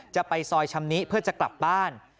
จะไปซอยชำนิเพื่อจะกลับบ้าน